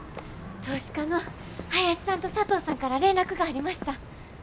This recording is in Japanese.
投資家の林さんと佐藤さんから連絡がありました。